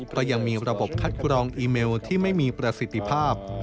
เพราะยังมีระบบคัดกรองอีเมลที่ไม่มีประสิทธิภาพ